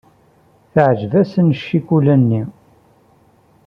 Teɛjeb-asen ccikula-nni.